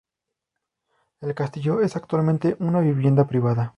El castillo es actualmente una vivienda privada.